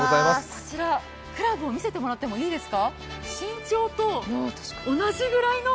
こちらクラブを見せてもらってもいいですか？